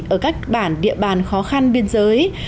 ở các bản địa bàn khó khăn biên giới